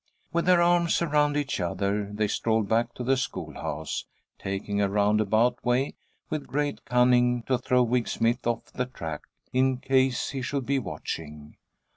With their arms around each other, they strolled back to the schoolhouse, taking a roundabout way, with great cunning, to throw Wig Smith off the track, in case he should be watching.